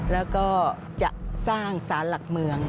แล้วก็จะสร้างสารหลักเมือง